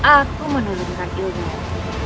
aku menolong kak junaid